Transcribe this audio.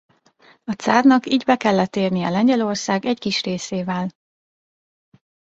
A cárnak így be kellett érnie Lengyelország egy kis részével.